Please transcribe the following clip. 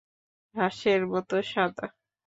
হাঁসের মতো সাদা।